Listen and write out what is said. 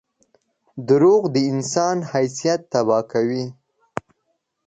• دروغ د انسان حیثیت تباه کوي.